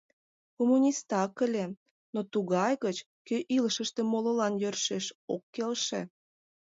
Коммунистак ыле, но тугай гыч, кӧ илышыште молылан йӧршеш ок келше.